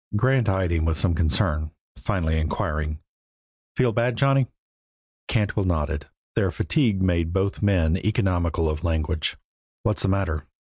Grant eyed him with some concern, finally inquiring, "Feel bad, Johnny?" Cantwell nodded. Their fatigue made both men economical of language. "What's the matter?"